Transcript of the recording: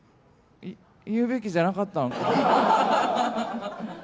言うべきじゃなかったのかな。